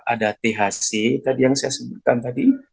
ada thc tadi yang saya sebutkan tadi